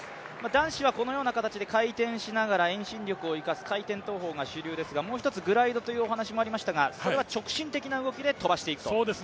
男子は回転しながら遠心力を生かす回転投方が主流ですが、もう一つ、グライドというお話がありましたがそれは直線的に飛ばしていくと。